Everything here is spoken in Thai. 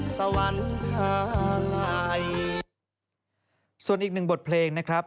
ส่วนอีกหนึ่งบทเพลงนะครับ